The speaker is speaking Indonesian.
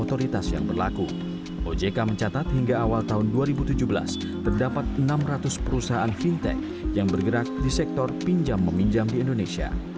ojk mencatat hingga awal tahun dua ribu tujuh belas terdapat enam ratus perusahaan fintech yang bergerak di sektor pinjam meminjam di indonesia